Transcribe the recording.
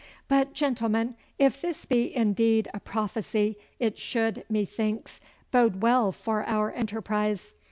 But, gentlemen, if this be indeed a prophecy, it should, methinks, bode well for our enterprise.